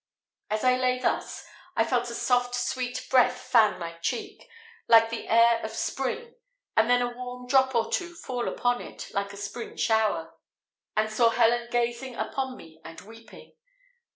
As I lay thus, I felt a soft sweet breath fan my cheek, like the air of spring, and then a warm drop or two fall upon it, like a spring shower. I opened my eyes, and saw Helen gazing upon me and weeping.